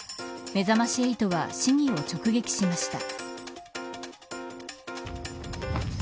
めざまし８は市議を直撃しました。